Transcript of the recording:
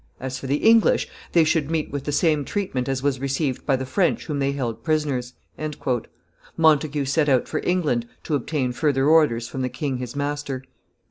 As for the English, they should meet with the same treatment as was received by the French whom they held prisoners." Montagu set out for England to obtain further orders from the king his master.